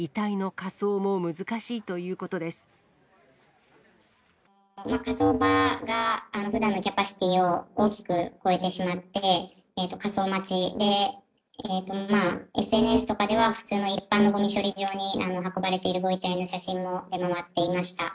火葬場がふだんのキャパシティーを大きく超えてしまって、火葬待ちで、まあ、ＳＮＳとかでは、普通の一般のごみ処理場に運ばれているご遺体の写真も出回っていました。